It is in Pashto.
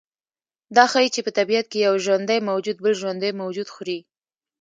دا ښیي چې په طبیعت کې یو ژوندی موجود بل ژوندی موجود خوري